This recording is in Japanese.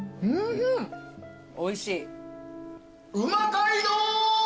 おいしい？